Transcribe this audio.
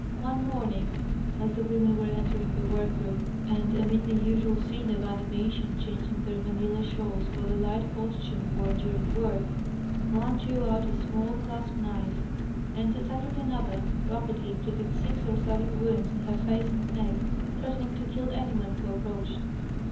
One morning as the women were entering the work room and amid the usual scene of animation changing their Manila shawls for the light costume worn during work, one drew out a small clasp knife and, attacking another, rapidly inflicted six or seven wounds on her face and neck, threatening to kill anyone who approached.